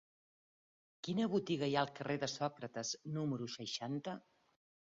Quina botiga hi ha al carrer de Sòcrates número seixanta?